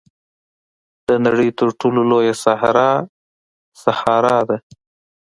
د نړۍ تر ټولو لویه صحرا سهارا ده.